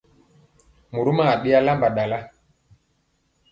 Morom a je ɗe alamba ɗala.